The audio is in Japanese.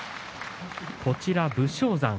こちら武将山